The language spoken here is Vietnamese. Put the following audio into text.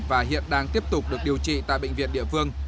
và hiện đang tiếp tục được điều trị tại bệnh viện địa phương